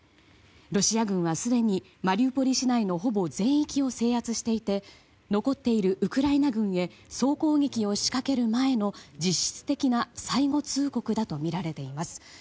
ロシア軍はすでにマリウポリ市内のほぼ全域を制圧していて残っているウクライナ軍へ総攻撃を仕掛ける前の実質的な最後通告だとみられています。